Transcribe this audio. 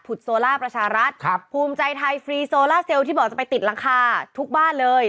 โซล่าประชารัฐครับภูมิใจไทยฟรีโซล่าเซลลที่บอกจะไปติดหลังคาทุกบ้านเลย